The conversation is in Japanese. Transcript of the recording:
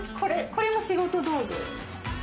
これも仕事道具。